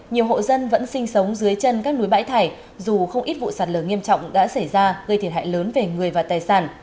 nhiều hộ dân vẫn sinh sống dưới chân các núi bãi thải dù không ít vụ sạt lở nghiêm trọng đã xảy ra gây thiệt hại lớn về người và tài sản